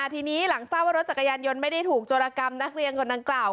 ทีนี้หลังทราบว่ารถจักรยานยนต์ไม่ได้ถูกโจรกรรมนักเรียนคนดังกล่าว